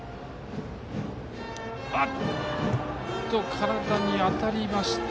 体に当たりました。